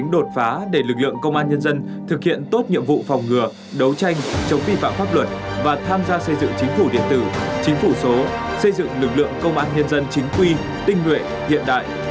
công tác công an nhân dân trong tình hình mới tiếp tục đặt ra những thách thức nhiệm vụ phòng ngừa đấu tranh chống vi phạm pháp luật và tham gia xây dựng chính phủ điện tử chính phủ số xây dựng lực lượng công an nhân dân chính quy tinh nguyện hiện đại